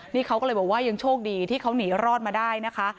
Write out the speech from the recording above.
นี่เขาก็เลยบอกว่ายังโชคดีที่เขาหนีรอดมาได้นะคะ